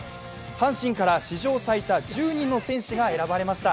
阪神から史上最多１０人の選手が選ばれました。